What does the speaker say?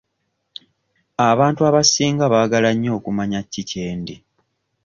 Abantu abasinga baagala nnyo okumanya ki kyendi.